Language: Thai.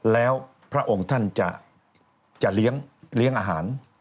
แล้วพระองค์ท่านจะเลี้ยงอาหาร